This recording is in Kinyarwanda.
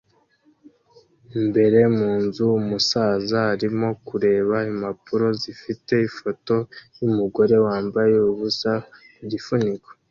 Imbere mu nzu umusaza arimo kureba impapuro zifite ifoto yumugore wambaye ubusa ku gifuniko